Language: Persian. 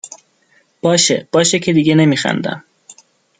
باشه باشه که دیگه نمیخندم